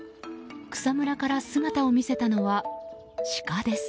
草むらから姿を見せたのはシカです。